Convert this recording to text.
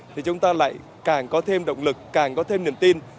thì chúng ta lại càng có thêm động lực càng có thêm niềm tin